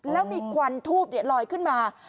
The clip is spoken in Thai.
แล้วมีควันทูบลอยขึ้นมา